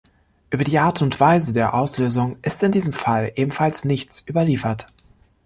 Über die Art und Weise der Auslösung ist in diesem Fall ebenfalls nichts überliefert.